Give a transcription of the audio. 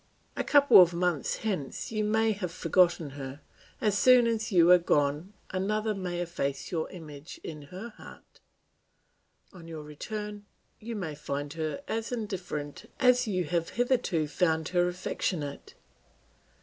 A couple of months hence you may have forgotten her; as soon as you are gone another may efface your image in her heart; on your return you may find her as indifferent as you have hitherto found her affectionate.